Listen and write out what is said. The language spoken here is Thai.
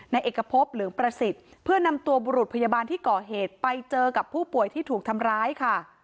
เอกพบเหลืองประสิทธิ์เพื่อนำตัวบุรุษพยาบาลที่ก่อเหตุไปเจอกับผู้ป่วยที่ถูกทำร้ายค่ะ